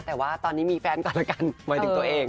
แต่ว่าตอนนี้มีแฟนก่อนละกันหมายถึงตัวเอง